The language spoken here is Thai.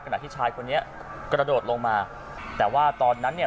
ขณะที่ชายคนนี้กระโดดลงมาแต่ว่าตอนนั้นเนี่ย